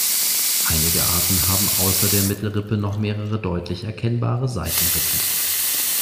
Einige Arten haben außer der Mittelrippe noch mehrere deutlich erkennbare Seitenrippen.